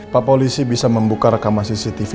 pak polisi bisa membuka rekaman cctv